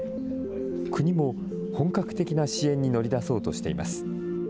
国も本格的な支援に乗り出そうとしています。